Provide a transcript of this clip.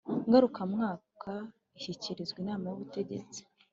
Ngarukamwaka ishyikirizwa inama y ubutegetsi